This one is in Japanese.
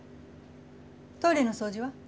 トイレの掃除は？